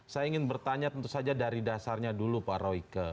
saya ingin bertanya tentu saja dari dasarnya dulu pak royke